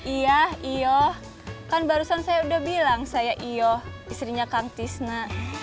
iya iya kan barusan saya udah bilang saya iya istrinya kang tisna